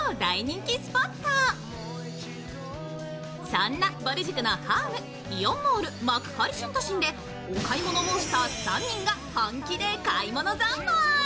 そんなぼる塾のホームイオンモール幕張新都心でお買い物モンスター３人が本気で買い物ざんまい。